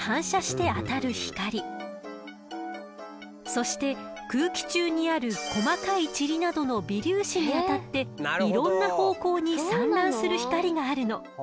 そして空気中にある細かいチリなどの微粒子に当たっていろんな方向に散乱する光があるの。